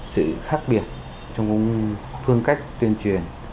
sự khác biệt trong phương cách tuyên truyền